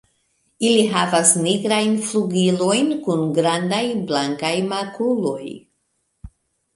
Ili havas nigrajn flugilojn kun grandaj blankaj makuloj.